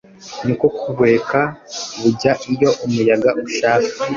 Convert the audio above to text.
ni ko kubureka bujya iyo umuyaga ushaka.